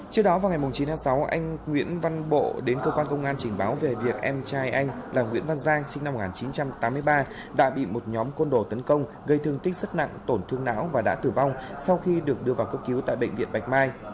trước đó vào ngày chín tháng sáu anh nguyễn văn bộ đến cơ quan công an trình báo về việc em trai anh là nguyễn văn giang sinh năm một nghìn chín trăm tám mươi ba đã bị một nhóm côn đồ tấn công gây thương tích rất nặng tổn thương não và đã tử vong sau khi được đưa vào cấp cứu tại bệnh viện bạch mai